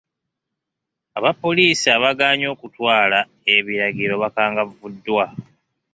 Abapoliisi abaagaanye okutwala ebiragiro bakangavvuddwa.